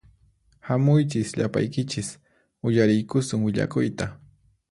Hamuychis llapaykichis uyariykusun willakuyta